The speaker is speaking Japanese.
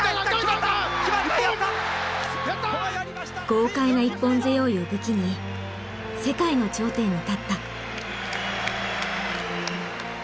豪快な一本背負いを武器に世界の頂点に立った。